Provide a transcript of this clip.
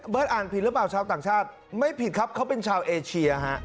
อ่านผิดหรือเปล่าชาวต่างชาติไม่ผิดครับเขาเป็นชาวเอเชียฮะ